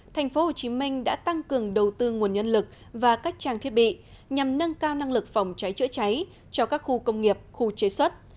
tp hcm đã tăng cường đầu tư nguồn nhân lực và các trang thiết bị nhằm nâng cao năng lực phòng cháy chữa cháy cho các khu công nghiệp khu chế xuất